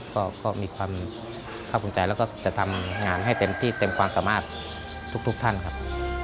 ก็มีความขอบคุณใจและจะทำงานให้เต็มที่เต็มความกรรมาศทุกท่านครับ